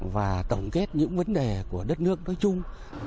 và tổng kết những vấn đề của đất nước nói chung